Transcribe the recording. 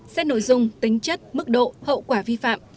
xét nội dung tính chất mức độ hậu quả vi phạm